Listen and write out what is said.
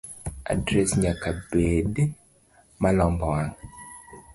Adres nyaka bedi malombo wang